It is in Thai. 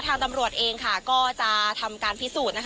ทางตำรวจเองก็จะทำการพิสูจน์